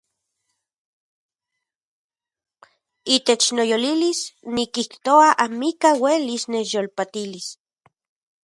Itech noyolilis nikijoa amikaj uelis nechyolpatilis.